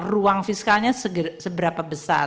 ruang fiskalnya seberapa besar